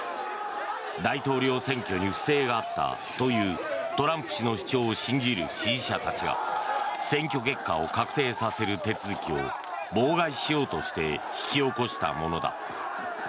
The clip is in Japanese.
大統領選挙に不正があったというトランプ氏の主張を信じる支持者たちが選挙結果を確定させる手続きを妨害しようとして引き起こしたものだ。